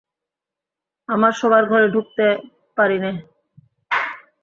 আমার শোবার ঘরে ঢুকতে পারি নে।